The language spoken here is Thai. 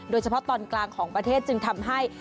โดยเฉพาะตอนกลางของประเทศจึงทำให้